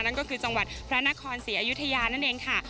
นั่นก็คือจังหวัดพระนครศรีอยุธยานั่นเองค่ะ